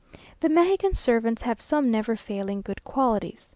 The Mexican servants have some never failing good qualities.